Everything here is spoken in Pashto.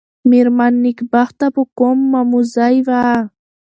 مېرمن نېکبخته په قوم مموزۍ وه.